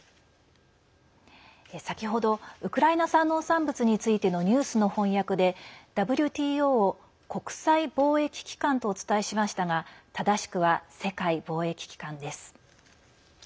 先ほどウクライナ産農産物についてのニュースの翻訳でＷＴＯを国際貿易機関とお伝えしましたが正しくは世界貿易機関です。